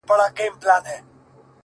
ستا له تصويره سره”